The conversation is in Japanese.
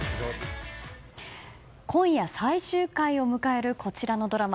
今夜最終回を迎えるこちらのドラマ。